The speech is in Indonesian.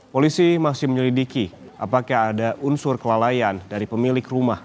polisi masih menyelidiki apakah ada unsur kelalaian dari pemilik rumah